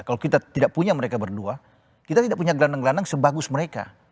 kalau kita tidak punya mereka berdua kita tidak punya gelandang gelandang sebagus mereka